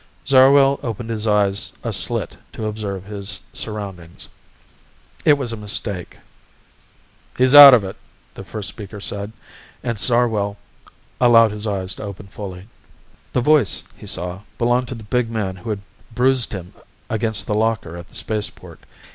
Zarwell opened his eyes a slit to observe his surroundings. It was a mistake. "He's out of it," the first speaker said, and Zarwell allowed his eyes to open fully. The voice, he saw, belonged to the big man who had bruised him against the locker at the spaceport.